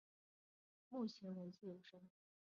目前为自由身。